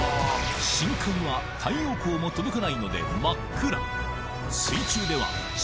深海は太陽光も届かないので真っ暗